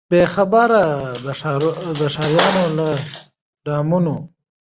بې خبره د ښاریانو له دامونو